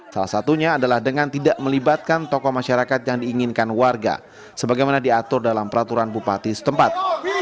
salah satunya adalah dengan tidak melibatkan tokoh masyarakat yang diinginkan warga sebagaimana diatur dalam peraturan bupati setempat